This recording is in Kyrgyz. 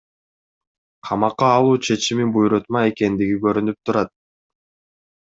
Камакка алуу чечими буйрутма экендиги көрүнүп турат.